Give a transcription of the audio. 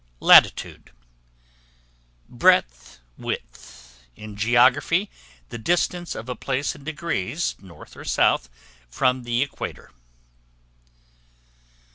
Latitude, breadth, width; in Geography, the distance of a place in degrees, north or south, from the Equator.